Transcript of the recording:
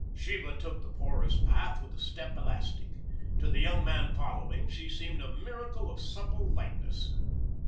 Sheba took the porous path with a step elastic. To the young man following she seemed a miracle of supple lightness.